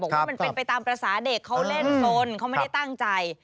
ว่ามันเป็นไปตามภาษาเด็กเขาเล่นสนเขาไม่ได้ตั้งใจ